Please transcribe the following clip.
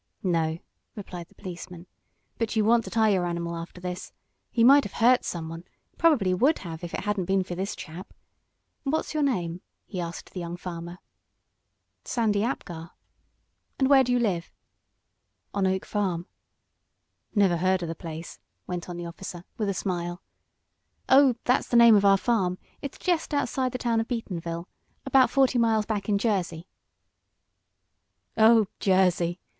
"No," replied the policeman, "but you want to tie your animal after this. He might have hurt someone probably would have if it hadn't been for this chap. What's your name?" he asked the young farmer. "Sandy Apgar." "And where do you live?" "On Oak Farm." "Never heard of the place," went on the officer, with a smile. "Oh, that's the name of our farm. It's jest outside the town of Beatonville, about forty miles back in Jersey." "Oh, Jersey!"